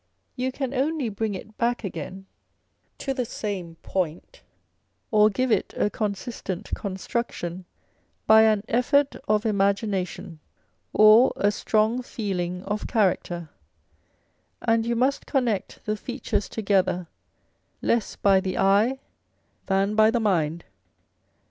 You can only bring it back again to the same point or give it a consistent construction by an effort of imagination, or a strong feeling of character ; and you must connect the features together less by the eye than by the mind.